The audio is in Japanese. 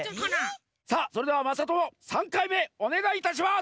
さあそれではまさとも３かいめおねがいいたします！